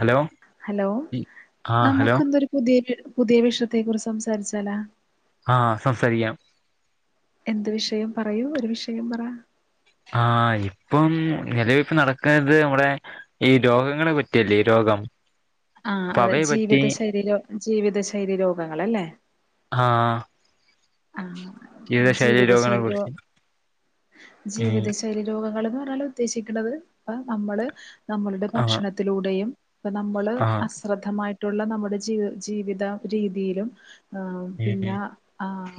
Hello hello ആ hello നമുക്ക് ഇന്നൊരു പുതിയെ പുതിയ വിഷയത്തെ കുറിച്ച് സംസാരിച്ചാലാ? ആഹ് സംസാരിക്കാം. എന്ത് വിഷയം പറയൂ ഒരു വിഷയം പറ ആഹ് ഇപ്പം നിലവിപ്പ് നടക്നത് നമ്മളെ ഈ രോഗങ്ങളെ പറ്റിയല്ലേ രോഗം. ആഹ് അപ്പൊ അതെ അവയെ പറ്റി ജീവിത ശൈരി ജീവിത ശൈലി രോഗങ്ങള് അല്ലേ. ആഹ് ആഹ് ജീവിത രോഗങ്ങളെ ശൈലിയോ കുറിച്ച് ഉം ജീവിതശൈ ശൈലി രോഗങ്ങള് എന്ന് പറഞ്ഞാല് ഉദ്ദേശിക്ക്ണത് നമ്മള്. നമ്മളുടെ ആ ഭക്ഷണത്തിലൂടെയും ഇപ്പ നമ്മള് ആ അശ്ര മായിട്ടുള്ള നമ്മുടെ ജീ ജീവിത രീതിയിലും പിന്ന ഉം ആഹ്.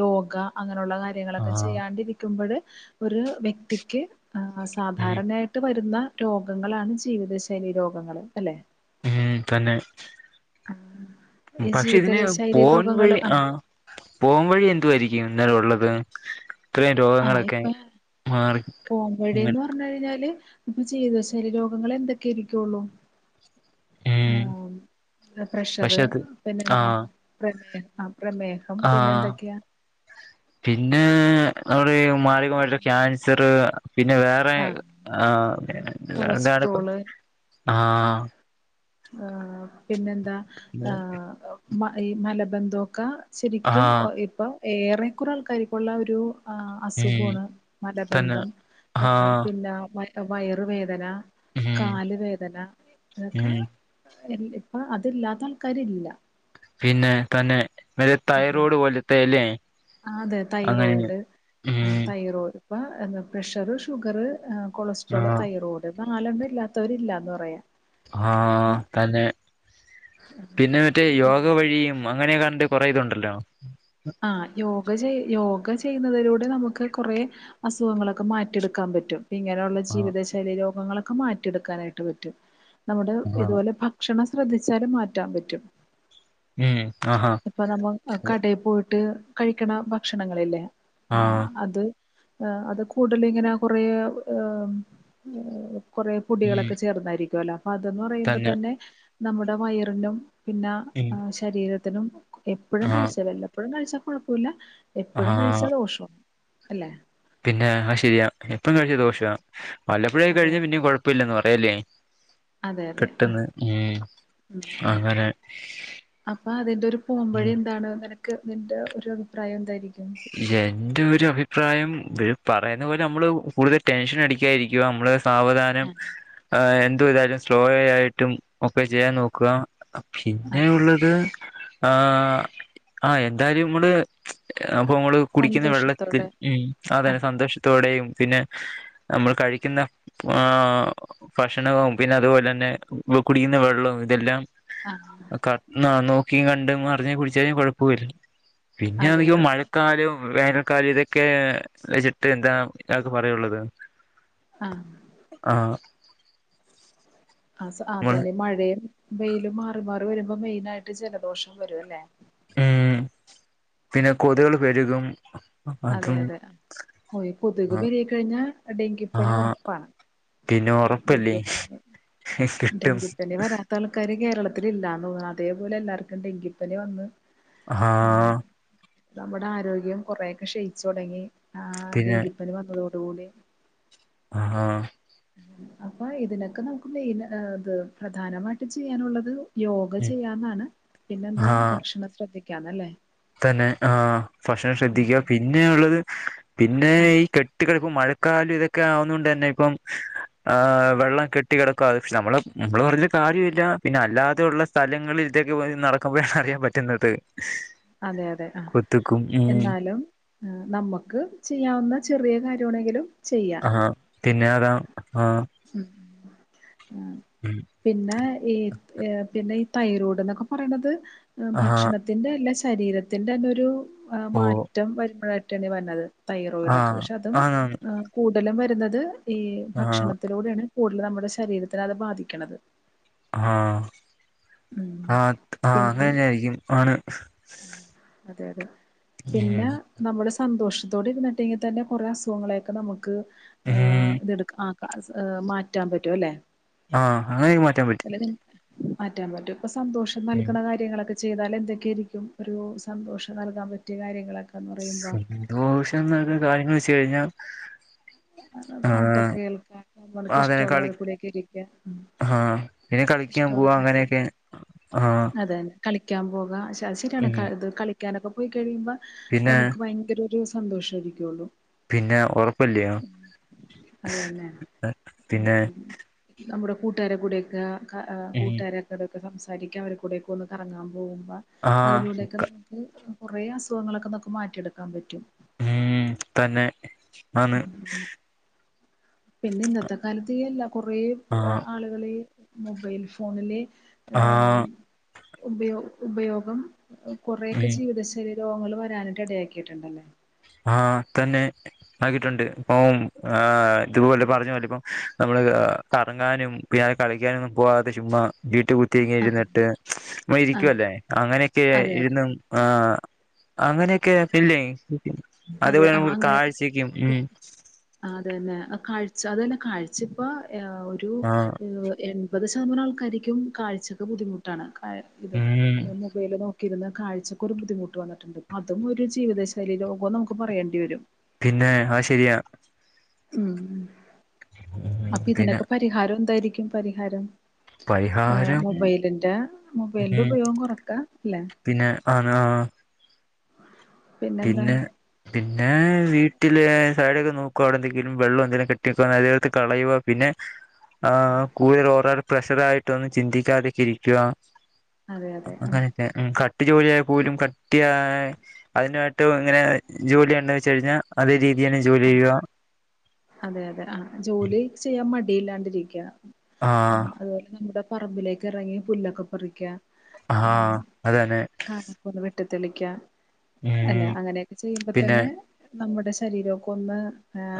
യോഗ അങ്ങനെയുള്ള ആ കാര്യങ്ങളൊക്കെ ചെയ്യാണ്ടിരി ത്തു മ്പഴ് ഒരു വ്യക്തിക്ക് ഉം സാധാരണയായി. ട്ട് വരുന്ന രോഗങ്ങളാണ് ജീവിതശൈലി രോഗങ്ങള് അല്ലെ. ഉം തന്നേ ആഹ് ഈ പക്ഷെ ഇതിന് ജീവിത ശൈലി പോൻ വഴി രോഗങ്ങള് ആഹ്. പോം വഴി എന്തു ആയിരിക്കും ഇങ്ങനെ ഉള്ളത്. ഇത്രയും ആഹ് രോഗങ്ങളൊക്കെ ഇപ്പ മാറി [unintelligible] വന്ന് കഴിഞ്ഞാല് ജീവിത ശൈലി രോഗങ്ങള് എന്തൊക്കെ ഇരിക്കൊള്ളു. ഉം ആഹ് ഓ പ്രഷർ, പക്ഷെ അത് പിന്നെ എന്താ, പ്രമേ ആഹ് പ്രമേ ആഹ് പിന്നേ അവെടേയും മാരഗ മായിട്ടുള്ള ക്യാൻസർ പിന്നെ വേ പെ ആഹ് [unintelligible] ആഹ് [unintelligible] രണ്ട് നേര കൊളസ്ട്രോള് ആഹ് ആഹ് പിന്നെന്താ ആഹ് മ ഈ മലബന്ധോക്കാ ശെരിക്കും ആഹ് ഇപ്പൊ ഏറെക്കുറെ ആൾക്കാർക്കുള്ള ഒരു അസു ഉം ഖ്വാണ് തന്നെ മലബന്ധം ആഹ് പിന്ന വയറുവേദന. ഉം കാല് വേദന ഇതൊക്ക ഉം ഇപ്പൊ അതില്ലാത്ത ആൾക്കാര് ഇല്ല. പിന്നെ തന്നെ തൈറോട് പോലത്തെ ല്ലേ. ആഹ് അതെ തൈറോയിഡ് ഉം തൈറോയ് ഇപ്പൊ എന്ത് പ്രഷർ ഷുഗർ. കൊളസ്ട്രോള്, ആഹ് തൈറോയ്ഡ്, നാലെണ്ണം ഇല്ലാത്തവര് ഇല്ലാന്ന് പറയാ. ആഹ് തന്നെ പിന്നെ മറ്റെ യോഗ വഴിയും. ഓ അങ്ങനെ കണ്ട് കൊറേ ഇതുണ്ടല്ലോ. ആഹ് യോഗ ചെയ് യോഗ ചെയ്യുന്ന വരോട് നമുക്ക് കോറെ അസുഖങ്ങളൊക്കെ മാറ്റിയെടുക്കാൻ പറ്റും. ഇങ്ങനെയുള്ള ആഹ് ജീവിത ശൈലി രോഗങ്ങളൊക്കെ മാറ്റിയെടുക്കാനായിട്ട് പറ്റും. നമ്മുടെ ആഹ് ഇതുപോലെ ഭ ഭക്ഷണം ശ്രദ്ധിച്ചാലും മാറ്റാൻ പറ്റും. ഉം ആഹാ ഇപ്പൊ നമ്മ കടെ പോയി ട്ട് കഴിക്ക്ണ ഭക്ഷണങ്ങളില്ലേ ആഹ് അത്. ആഹ് അത് കൂടല് ഇങ്ങന കൊറേ കൊറേ ഉം പൊടികളൊക്കെ ചേർന്നായിരിക്കുവോല്ലോ. അപ്പ അതെന്ന് തന്നെ പറയുമ്പതന്നെ നമ്മുടെ വയറിനും പിന്ന ഉം ശരീരത്തിനും എപ്പഴും ആഹ് കഴിച്ചലല്ല വല്ലപ്പോഴും കഴിച്ചാൽ കുഴപ്പോല്ല. എപ്പഴും ആഹ് കഴിച്ചാ ദോഷം അല്ലെ. പിന്നെ ആഹ് ശര്യാ. എപ്പം കഴിച്ച ദോഷാ. വ ല്ലപ്പൊഴായി അതെ കഴിച്ച [unintelligible] പിന്നെ കൊഴപ്പ് പ്പില്ലന്ന് പറയല്ലെ അതെ അതെ ആ കിട്ട്ണ് ഉം. ഉം ഉം അങ്ങനെ അപ്പൊ അതിന്റെ ഒരു ഉം പോമ്പഴി എന്താണ്. ക്ക് നിന്റെ ഒരു അഭിപ്രായം എന്തായിരിക്കും. എന്റെ ഒരു അഭിപ്രായം ഇവര് പറയുന്ന പോലെ നമ്മള് കൂടുതൽ ടെൻഷൻ അടിക്കായിരിക്കുവ നമ്മള്. ആ സാവധാനം ആ എന്തു ഇതാലും സ്ലോ ആയിട്ടും. ഒക്കെ ചെയ്യാൻ നോക്ക്വ. ആ പിന്നെ ഉള്ളത്. ആഹ് ആഹ് എന്തായാലും നമ്മള് അപ്പൊ നമ്മള് കുടിക്കുന്ന വെള്ളത്തിൽ സന്തോഷത്തോടെ ഉം. ആ സാധന സന്തോഷത്തോടേയും പിന്നെ നമ്മൾ കഴിക്കുന്ന ആഹ്. ഭക്ഷണവും പിന്നെ അതുപോലെന്നെ കുടിയുന്ന വെള്ളവും ഇതെല്ലാം. അഹ് കണ്ണ നോക്കിം കണ്ടും അറിഞ്ഞും കുടിച്ചാലും കുഴപ്പുല്ല അതെ പിന്നയാന്നെങ്കി അതെ മഴക്കാലവും വേനൽക്കാലം ഇതൊക്കെ വെച്ചിട്ട് എന്താ ഇതൊക്കെ പറയുള്ളത് ആഹ് ആഹ് ആ അതന്നെ മഴയും വെയിലും മാറി മാറി വരുമ്പോ മെയിനായിട്ട് ജലദോഷം വരുവല്ലേ ഉം പിന്നെ കൊതുകള് പെരുകും അതെ അതും അതെ ഓഹ് ഈ കൊതുക് ആ പെരികി കഴിഞ്ഞാ ആ ഡെങ്കിപ്പനി ഉറപ്പാണ് പിന്നെ ഉറപ്പല്ലേ ഡങ്കിപ്പനി കിട്ടും ഡെങ്കിപനി വരാൻ ആൾക്കാര് കേരളത്തിലില്ലാന്ന് തോന്നുന്നു അതേപോലെ എല്ലാർക്കും ഡെങ്കിപ്പനി വന്ന് ആഹ് ഉം നമ്മുടെ ആരോഗ്യം കൊറയൊക്കെ ക്ഷയിച്ചു തുടങ്ങി ആഹ് പിന്നെ ഡെങ്കിപ പനി വന്നതോടുകൂടി ആഹ് അപ്പ ഇതിനൊക്കെ നമുക്ക് മെയിൻ ഇത് പ്രധാനമായിട്ട് ചെയ്യാനുള്ളത് യോഗ ചെയ്യാന്നാണ് പിന്നെ ആ എന്താ ഭക്ഷണം ശ്രദ്ധിക്കാന്നല്ലേ തന്നെ ആഹ് ഭക്ഷണം ശ്രദ്ധിക്കുക പിന്നെ ഉള്ളത് പിന്നെ ആ ഈ ക കെട്ടികെടക്കും മഴക്കാലം ഇതൊക്കെ ആവുന്ന കൊണ്ട് തന്നെ ഇപ്പം വെള്ളം കെട്ടി കെടക് പക്ഷെ നമ്മള് നമ്മള് പറഞ്ഞൊരു കാര്യമില്ല പിന്നെ അല്ലാതെ ഉള്ള സ്ഥലങ്ങളിൽ ഇതൊക്ക നടക്കുമ്പോഴാണ് അറിയാൻ പറ്റുന്നത് [inaudible] അതെ അതെ ആഹ് കൊത്തുക്കും ഉം എന്നാലും നമുക്ക് ചെയ്യാവുന്ന ചെറിയ കാര്യമാണെങ്കിലും ചെയ്യാം ആ പിന്നെ അതാ ആഹ് ഉം ഉം പിന്നെ ഈ പിന്നെ ഈ തൈറോയ്ഡ് എന്നൊക്കെ പറയണത് ആ ഭക്ഷണത് ത്തിന്റെ അല്ല ശരീരത്തിന്റെ അതൊരു ഓ മാറ്റം വരുമ്പോഴായിട്ടാണ് വരണത് ആ തൈറോയിഡ് ഒക്ക പക്ഷെ അതും ആന്നാന്ന് കൂടുതലും വരുന്നത് ഈ ആ ഭക്ഷണത് ത്തിലൂടെയാണ് കൂടുതൽ നമ്മുടെ ശരീരത്തിന അത് ബാധിക്കണത് ആഹ് ഉം ആ ആഹ് അങ്ങന പിന്നെ തന്നെയായിരിക്കും ആണ് അതെ അതെ പിന്ന ഉം നമ്മുടെ സന്തോഷം ത്തോടിരുന്നിട്ടെങ്കി തന്നെ കുറേ അസുഖങ്ങളെയൊക്കെ നമുക്ക് ഉം ഇതെടു ആ മാറ്റാൻ പറ്റും അല്ലെ ആഹ് അങ്ങനെ മാറ്റാൻ പറ്റും മാറ്റാൻ പറ്റും ഇപ്പ സന്തോഷം ഉം നൽകുന്ന കാര്യങ്ങളൊക്കെ ചെയ്താൽ എന്തൊക്കെ ആയിരിക്കും ഒരു സന്തോഷം നൽകാൻ പറ്റിയ കാര്യങ്ങളൊക്കെ സന്തോഷം എന്നക്ക കാര്യങ്ങള് വെച്ച് കഴിഞ്ഞാൽ പാട്ടൊക്കെ കേൾക്കാ നമ്മക്ക് അതന്നെ കളി ഇഷ്ടമുള്ള കൂടിയൊക്കെ ഇരിക്ക ആഹ് പിന്നെ കളിക്കാൻ പോവാ അങ്ങനെയൊക്കെ ആഹ് അതെ കളിക്കാൻ പോകാ അത് ശെരിയാണ് ഉം ഇത് കളിക്കാനൊക്കെ പോയി കഴിയുമ്പോ പിന്നെ നമുക്ക് ഭയങ്കര ഒരു സന്തോഷമായിരിക്കുള്ളൂ പിന്നെ ഒറപ്പല്ല്യോ അത് തന്നെ പിന്നെ നമ്മുടെ കൂട്ടുകാരെ കൂടെക്കെ കൂട്ടുകാര കൂടെക്കെ സംസാരിക് ക്ക അവരുടെ കൂടെക്ക ഒന്ന് കറങ്ങാൻ പോകുമ്പോ ആഹ് അതിലൂടെയക്ക കുറെ അസുഖങ്ങളൊക്കെ നമക്ക് മാറ്റിയെടുക്കാൻ പറ്റും ഉം തന്നെ ആന്ന് പിന്നെ ഇന്നത്തെ കാലത്തീ അല്ല കുറേ ആഹ് ആളുകളീ മൊബൈൽ ഫോണില് ആഹ് ഉപയൊ ഉപയോഗം കുറേയക്ക ഉം ജീവിതശൈലി രോഗങ്ങൾ വരാനായിട്ട് ഇടയാക്കിയിട്ടുണ്ടല്ലേ ആഹ് തന്നെ ആക്കിട്ടുണ്ട് ഇപ്പോംആ തുപോലെ പറഞ്ഞ പോലെ ഇപ്പ നമ്മള് കറങ്ങാനും പിന്നെ ഞാൻ കളിക്കാനൊന്നും പോകാതെ ചുമ്മാ വീട്ടി പോയ്‌ ത്തിങ്ങി ആഹ് ഇരുന്നിട്ട് മ ആഹ് ഇരിക്കുവല്ലേ അങ്ങനെക്കെ അതെ അതെ ഇരുന്ന് ആ അങ്ങനെക്കെയില്ലേ അതെ അത്പോലെ നമുട് കാഴ്ചക്കും ഉം അത് തന്നെ കാഴ്ച അതന്നെ കാഴ്ച ഇപ്പ എ ഒരു ആഹ് എൺ പത് ശതമാനം ആൾക്കാരിക്കും കാഴ്ചക് ബുദ്ധിമുട്ടാണ് കാഴ് ഇത് ഉം മൊബൈല് നോക്കിയിരൂന്ന് കാഴ്ചക്കൊരു ബുദ്ധിമുട്ട് വന്നിട്ടുണ്ട് അതും ഒരു ജീവിതശൈലി രോ ഗോ നമുക്ക് പറയേണ്ടി വരും പിന്നെ ആ ശെരിയാ ഉം ഉം അപ്പൊ പിന്നെ ഇതിനൊക്കെ പരിഹാരം എന്തായിരിക്കും പരിഹാരം പരിഹാരം മൊബൈലിന്റെ മൊബൈലിന്റെ ഉം ഉപയോഗം കുറക്ക അല്ലേ പിന്നെ ആണ് ആ പിന്നെന്താ പിന്നെ പിന്നെ വീട്ടില് സാലിക്കെ നോക്കുവാ അവ്ടെ എന്തെങ്കിലും വെള്ളം എന്തെലും കെട്ടിക്കാ അതെടുത്ത് കളയുക പിന്നെ ആ കൂടുതൽ ഓരോ പ്രഷർ ആയിട്ടൊന്നും ചിന്തിക്കാതിക്കെ ഇരിക്കുക അതെ അതെ ആ അങ്ങനത്തെ ഉം കട്ടി ജോലിയായ പോലും കട്ടിയ അതിനയിട്ട് ഇങ്ങനെ ജോലി ഉണ്ട വെച്ച കഴിഞ്ഞാൽ അതേ രീതിയാണ് ജോലി ആ, ചെയ്യുക അതെ അതെ ആ ജോലി ചെയ്യാൻ മടിയില്ലാണ്ടിരിക്കുക ആഹ് അതുപോലെ നമ്മുടെ പറമ്പിലേക്ക് ഇറങ്ങി പുല്ലൊക്കെ പറിക്കുക ആ അതന്നെ വെട്ടു തെളിക്ക അല്ല ഉം അങ്ങനെയൊക്കെ ചെയ്യുമ്പോ പിന്നെ തന്നെ നമ്മുടെ ശരീരൊക്ക ഒന്ന്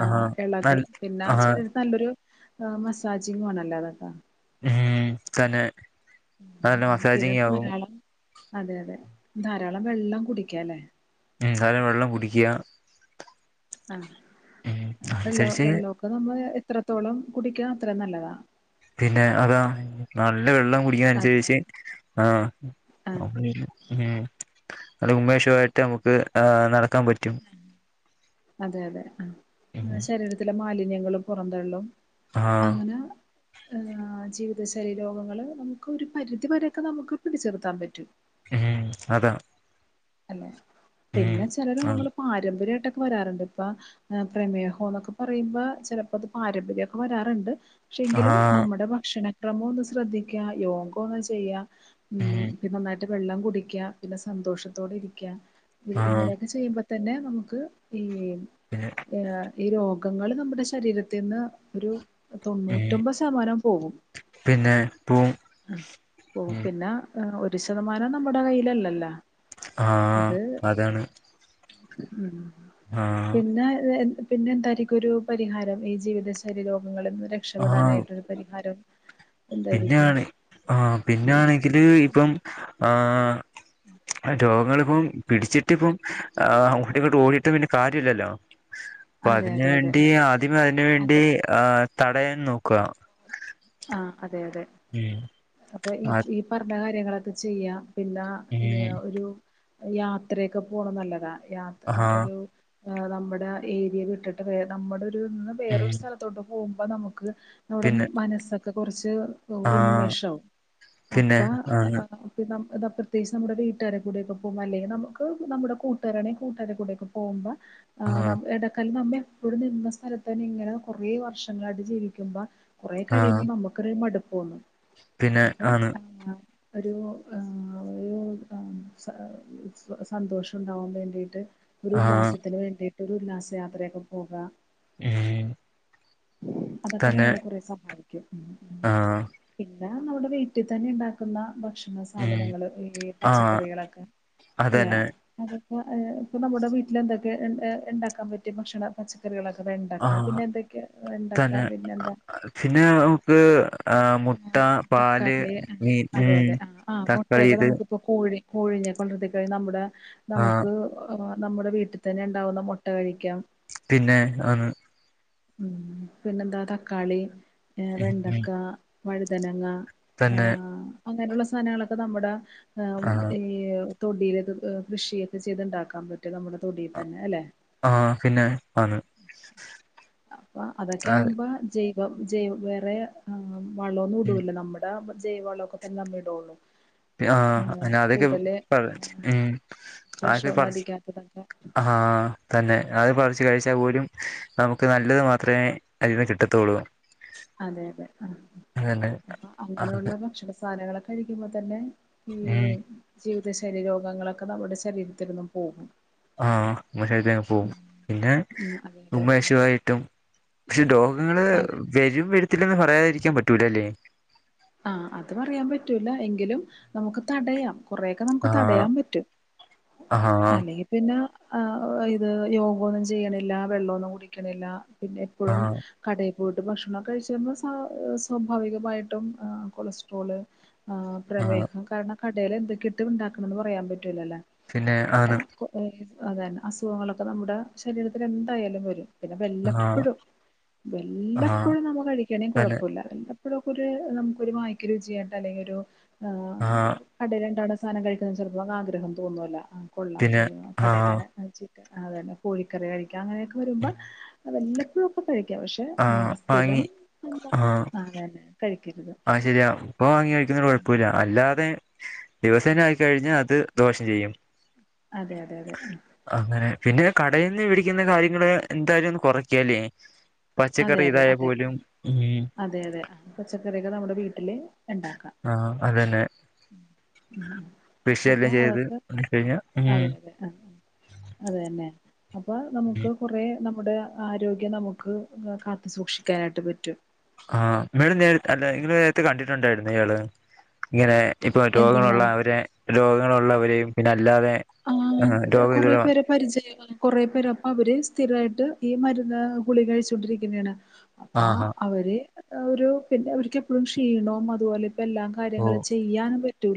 ആഹ് ഇളകും നൽ പിന്നെ ആഹ് ശരീരത്തി നല്ലൊരു് മസാജിങ് ആണല്ലേ അതൊക്കാ ഉം തന്നെ നല്ല പിന്നെ മസാജിങ് ആകും ധാരാളം അതെ അതെ ധാരാളം വെള്ളം കുടിക്കല്ലേ ഉം അതെ വെള്ളം കുടിക്കിയ ആ വെള്ള അനുസരിച്ച് വെള്ളമോക്കെ നമ്മൾ എത്രത്തോളം കുടിക്കൻ അത്ര നല്ലതാ പിന്നെ അതാ നല്ല വെള്ളം കുടിക്കൻ അതെ അനുസരിച്ച് ആ ആഹ് ഉം അല്ല ഉമ്മേഷമായിട്ട് നമുക്ക് ആ നടക്കാൻ പറ്റും അതെ അതെ ആ ശരീരത്തിലെ മാലിന്യങ്ങളും പുറന്തള്ളും ആഹ് അങ്ങനെ ജീവിതശൈലി രോഗങ്ങള്ൾനമുക്ക് ഒരു പരിധിവരെക്കെ നമുക്ക് പിടിച് നിർത്താൻ പറ്റും ഉം അതെ അല്ലെ പിന്നെ ചിലർ നമ്മള് പാരമ്പര്യമായിട്ടൊക്കെ വരാറുണ്ട് ഇപ്പ പ്രമേഹം എന്നൊക്കെ പറയുമ്പോ ചിലപ്പോ അത് പാരമ്പര്യക്കെ വരാറുണ്ട് ക്ഷെ എങ്കിലും ആഹ് നമ്മുടെ ഭക്ഷണക്രമം ഒന്ന് ശ്രദ്ധിക്കുക യോഗ ഒന്ന് ചെയ്യാ ഉം പിന്നെ നന്നായിട്ട് വെള്ളം കുടിക്കുക പിന്നെ സന്തോഷം ത്തോടെ ഇരിക്ക ഇ ആഹ് ഇങ്ങനെയൊക്കെ ചെയ്യുമ്പോ തന്നെ നമുക്ക് ഈ പിന്നെ ഏ ഈ രോഗങ്ങള് നമ്മുടെ ശരീരത്തിന്ന് ഒരു ഉം തൊണ്ണൂറ്റൊമ്പത് ശതമാനം പോകും പിന്നെ പോവും പോവും ഉം പിന്നെ ഒരു ശതമാനം നമ്മുടെ കയ്യിലല്ലല്ല ആ ആ അതാണ് ഉം ആഹ് പിന്നെ പിന്നെ എന്തായിരിക്കും ഒരു പരിഹാരം ഈ ജീവിതശൈലീ രോഗങ്ങളിൽനിന്ന് ആഹ് രക്ഷപ്പെടാനായിട്ടൊരു പരിഹാരം എന്തായിരിക്കും ആ പിന്നാണെങ്കില് ഇപ്പം ആ രോഗങ്ങളിപ്പം പിടിച്ചിട്ട് ഇപ്പം അങ്ങോട്ടിങ്ങോട്ട് ഓടിയിട്ട് വെല്യ കാര്യല്ലല്ലോ പ്പ അതെ അതിന് അതെ അതെ വേണ്ടി ആദ്യം അതിന് വേണ്ടി അതെ ആ തടയാൻ നോക്ക ആഹ് അതെ അതെ ഉം അപ്പൊ ഈ ആ ഈ പറഞ്ഞ കാര്യങ്ങളൊക്കെ ചെയ്യാം പിന്ന ഈ ഉം ഒരു യാത്രയൊക്കെ പോണനല്ലതാ യാത്ര ആഹ് ഒരു നമ്മുടെ ഏരിയ വിട്ടിട്ട് വേ നമ്മുടെ ഒരുന്ന് വേറൊരു ഉം സ്ഥലത്തോട്ട് പോകുമ്പോ നമുക്ക് അവിടെ പിന്നെ മനസ്സൊക്കെ കുറച്ച് ആഹ് ഉന്മേഷാവും പിന്നെ അപ്പൊ ആണ് ഇന്നം ഇത പ്രത്യേച്ച് നമ്മുടെ വീട്ടാരെകൂടെയൊക്കെ പോകുമ്പ അല്ലെ നമുക്ക് നമ്മുടെ കൂട്ടുകാരണേൽ കൂട്ടാരെകൂടെക്ക പോഉമ്പൊ ആഹ് എടക്കൽ നമ്മേ ഇവിടെ നിന്ന സ്ഥലത്തന്നെ ഇങ്ങനെ കൊറേ വർഷങ്ങളായിട്ട് ജീവിക്കുമ്പോ കുറേ ആഹ് കഴിയുമ്പോ നമുക്കൊരു മടുപ്പോന്നും പിന്നെ അപ്പൊ ആണ് ഒരു ആ ഒരു ആ സന്തോഷണ്ടാവാൻ വേണ്ടിയിട്ട് ഒരു ആഹ് ഉല്ലാസത്തിന് വേണ്ടിയിട്ട് ഒരു ഉല്ലാസ യാത്രയൊക്കെ പോക ഉം അതൊക്കെ തന്നെ നമ്മളെ കുറെ സഹായിക്കും ഉം ഉം ആഹ് പിന്ന നമ്മുടെ വീട്ടിതന്നെണ്ടാക്കുന്ന ഭക്ഷ ഉം സാധനങ്ങള് ഈ ആഹ് പച്ചക്കറികളൊക്കെ അല്ലെ അതന്നെ അതൊക്കെ ഇപ്പൊ നമ്മുടെ വീട്ടിലെന്തൊക്കെ ഉണ്ടാക്കാൻ പറ്റിയ ഭക്ഷണം പച്ചക്കറികളൊക്കെ വെണ്ടക്ക ആഹ് പിന്നെ എന്തൊക്കെയാ വെണ്ടക്ക തന്നെ പിന്നെന്താ പിന്നെ നമുക്ക് ആ മുട്ട ആഹ് പാല് തക്കാളി ആഹ് മീന് തക്കാളി ഇത് ഇപ്പൊ കോഴി കോഴിനെ കൊണ്ടത്ക്കെ നമ്മുടെ ആഹ് നമുക്ക് ആ നമ്മുടെ വീട്ടിതന്നെണ്ടാവുന്ന മൊട്ടകഴിക്കാം പിന്നെ ആന്ന് ഉം പിന്നെന്താ തക്കാളി വെണ്ട അ വഴുതനങ്ങ ആ തന്നെ അങ്ങനെള്ള സാധനങ്ങളൊക്കെ നമ്മുടെ ആ മ്മ് ഈ തൊടിലെക്കെ കൃഷിയൊക്കെ ചെയ്തുണ്ടാക്കാൻ പറ്റും നമ്മുടെ തൊടീതന്നെ അല്ലെ ആഹ് പിന്നെ ആന്ന് അപ്പ അതൊക്കെ ആ ആകുമ്പോ ജൈവം ജയ് വേറെ വളോന്നും ഇടൂല്ല നമ്മൾ പ്പ മ്മൾ ജൈവവളൊക്കെ തന്നെമ്മഇടോള്ളു ആഹ് അ അതൊക്കെ പറച്ച് ഉം അതൊക്കെ വിഷമൊന്നും പറച്ച് അടിക്കാത്തതൊക്കെ ആഹ് ആഹ് തന്നെ അത് പറച്ച് കഴിച്ചാൽപോലും നമുക്ക് നല്ലത് മാത്രമേ അതിന്ന് കിട്ടത്തുള്ളൂ അതെ അതെ ആ അതന്നെ അപ്പൊ അത് അങ്ങനെയുള്ള ഭക്ഷണ സാധനങ്ങളൊക്കെ കഴിക്കുമ്പോ തന്നെ ഈ ഉം ജീവിതശര്യ രോഗങ്ങളൊക്കെ നമ്മുടെ ശരീരത്തിൽ നിന്നും പോകും ആഹ് ന്ന ശര്യം പോവും പിന്നെ ഉം അതെ അതെ ഉന്മേഷവായിട്ടും പക്ഷെ രോഗങ്ങള് അതെ വരും വരത്തില്ലന്ന് പറയാതിരിക്കാൻ പറ്റൂല്ലല്ലേ ആഹ് അത് പറയാൻ പറ്റൂല എങ്കിലും നമുക്ക് തടയാം കുറെ ക്കെ ആ നമുക്ക് തടയാൻ പറ്റും ആ അല്ലെങ്കി പിന്നെ ആ ഇത് യോഗോന്നുംചെയ്യണില്ല വെള്ളന്നും കുടിക്കണില്ല പിന്നെ ആ എപ്പൊഴും കടയിൽ പോയിട്ട് ഭക്ഷണം കഴിച്ചമ്പോ സ്വാഭാവികമായിട്ടും ആ കൊളസ്ട്രോള് ആ ആ പ്രമേഹം കാരണം കടേല് എന്തൊക്കെട്ട് ഉണ്ടാക്കണന്ന് പറയാൻ പറ്റൂലല്ലോ പിന്നെ അപ്പൊ ആണ് അതന്നെ അസുഖങ്ങളൊക്കെ നമ്മുടെ ശരീരത്തില് എന്തായാലുംവരും പിന്നെ ആ വെല്ലപ്പഴും ആ വെല്ലപ്പോഴും നമ്മ കഴിക്കയാണെ തന്നെ കൊഴപ്പില്ല വല്ലപ്പഴൊക്കൊര് നമുക്കൊരു വായക്കരുചിയായിട്ട് അല്ലെങ്കി ഒരു ആഹ് ആ കടയില്ണ്ടാവ്ണ സാധനം കഴിക്കുന്നത് ചിലപ്പോ ആഗ്രഹം തോന്നൊല്ല കൊള്ളാം പിന്നെ ആ കടയില അതന്നെ കോഴിക്കറി കഴിക്ക അങ്ങനെയൊക്കെ വരുമ്പോ വല്ലപ്പഴും കഴിക്ക പക്ഷെ ആഹ് സ്ഥിരം വാങ്ങി ആഹ് അതന്നെ കഴിക്കരുത് ആഹ് ശരിയ ഇപ്പവാങ്ങി കഴിക്കുന്നതിന്കുഴപ്പുല്ല അല്ലാതെ ദിവസേനായി കഴിഞ്ഞ അത് ദോഷംചെയ്യും അതെ അതെ അതെ ഉം അങ്ങനെ പിന്നെ കടൽ നിന്ന് പിടിക്കുന്ന കാര്യങ്ങള് എന്തായാലും ഒന്ന് കുറക്കിയാലേ അതെ പച്ചക്കറി അതെ ഇതായാ അതെ പോലും ഉം അതെ അതെ പച്ചക്റിക്കൾ നമ്മുടെ വീട്ടില് ഉണ്ടാക്കാം ആഹ് അതന്നെ ഉം കൃഷിയെല്ലാം ചെയ്ത് കഴിഞ്ഞൽ ഉ ആഹ് അത് തന്നെ അപ്പൊ നമുക്ക് കുറ നമ്മുടെ ആരോഗ്യം നമുക്ക് കാത്തു സൂക്ഷിക്കാനായിട്ട് പറ്റും ആഹ് മഡം നേര അല്ല ഇങ്ങൾ നേരത്തെ കണ്ടിട്ടുണ്ടായിരുന്നു ഇയാള് ഇങ്ങനെ ഇപ്പൊ എന്തെന്നാ രോഗങ്ങളുള്ള അവരെ രോഗങ്ങളുള്ളവരെയും പിന്നെ അല്ലാതെ ആഹ് രോഗം കൊറെ ഇതുവരെ പേരെ പരിചയംങ്ങൾ കുറെ പേർ അപ്പ അവര് സ്ഥിരായിട്ട് ഈ മരുന്ന് ഗുളിഗ കഴിച്ചൊണ്ടിരിക്കുന്നയാണ് അപ്പ ആഹാ അവര് ഒരു പിന്നെ അവർക്ക് എപ്പോഴും ക്ഷീണവും അതുപോലെ ഇപ്പ എല്ലാം ഓ കാര്യങ്ങൾ ചെയ്യാനും പറ്റൂല